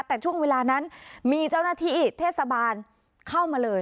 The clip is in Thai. แต่ช่วงเวลานั้นมีเจ้าหน้าที่เทศบาลเข้ามาเลย